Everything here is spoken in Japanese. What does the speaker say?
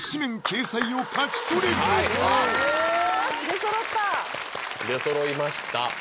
出そろいました